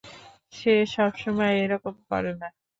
সে সবসময় এরকম করে না।